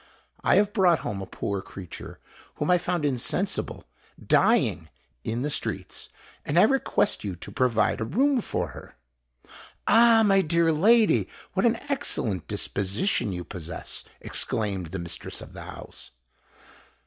"I have brought home a poor creature, whom I found insensible—dying—in the streets; and I request you to provide a room for her." "Ah! my dear lady, what an excellent disposition you possess!" exclaimed the mistress of the house.